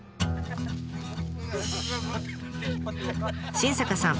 新坂さん